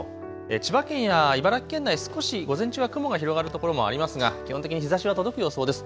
千葉県や茨城県内、少し午前中は雲が広がる所もありますが基本的に日ざしは届く予想です。